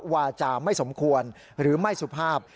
วาจาไม่สมควรหรือไม่สุภาพ